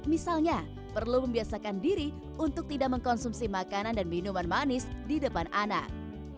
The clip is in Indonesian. misalnya perlu membiasakan diri untuk tidak mengkonsumsi makanan dan minuman manis di depan anak